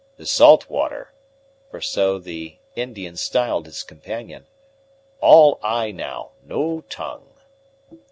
The Salt water (for so the Indian styled his companion) all eye now; no tongue."